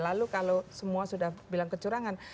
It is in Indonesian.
lalu kalau semua sudah bilang kecurangan